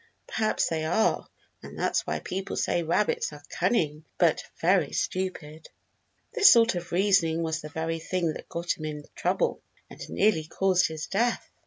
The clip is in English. Perhaps they are, and that's why people say rabbits are cunning but very stupid." This sort of reasoning was the very thing that got him in trouble, and nearly caused his death.